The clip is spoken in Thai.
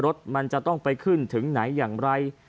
รถมันจะต้องไปขึ้นถึงไหนอย่างไร